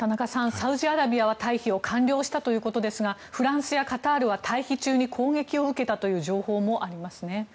サウジアラビアは退避を完了させたということですがフランスやカタールは退避中に攻撃を受けたという情報もありますね。